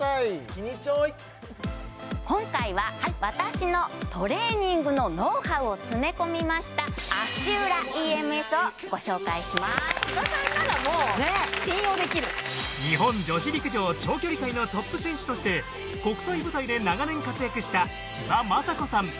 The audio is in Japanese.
キニチョイ今回は私のトレーニングのノウハウを詰め込みました足裏ＥＭＳをご紹介します千葉さんならもう信用できる日本女子陸上長距離界のトップ選手として国際舞台で長年活躍した千葉真子さん